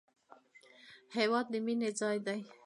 هېواد د مینې ځای دی